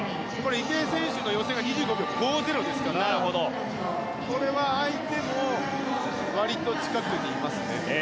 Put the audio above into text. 池江選手の予選が２５秒５０ですからこれは相手も割と近くにいますね。